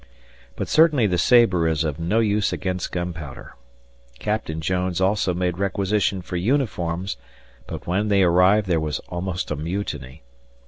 But certainly the sabre is of no use against gunpowder. Captain Jones also made requisition for uniforms, but when they arrived there was almost a mutiny.